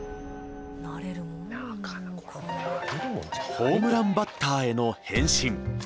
ホームランバッターへの変身。